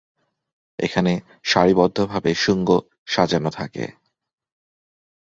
এখানে সারিবদ্ধভাবে শুঙ্গ সাজানো থাকে।